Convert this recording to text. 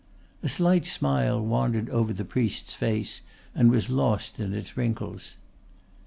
A slight smile wandered over the priests face and was lost in its wrinkles.